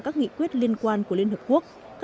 các nghị quyết liên quan của liên hợp quốc